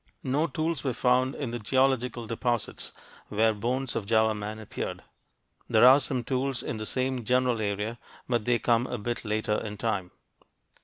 No tools were found in the geological deposits where bones of Java man appeared. There are some tools in the same general area, but they come a bit later in time.